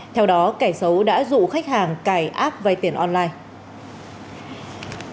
theo đó kẻ xấu đã dụ khách hàng cài áp vay tiền online